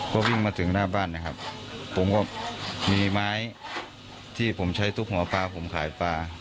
ก็วิ่งมาถึงหน้าบ้านนะครับผมก็มีไม้ที่ผมใช้ทุบหัวปลาผมขายปลา